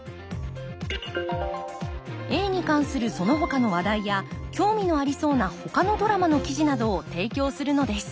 Ａに関するそのほかの話題や興味のありそうなほかのドラマの記事などを提供するのです